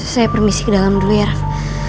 saya permisi ke dalam dulu ya raff